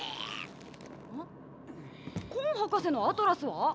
あっコン博士のアトラスは？